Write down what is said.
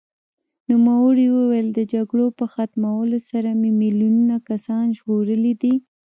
نوموړي وویل، د جګړو په ختمولو سره مې میلیونونه کسان ژغورلي دي.